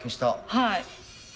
はい。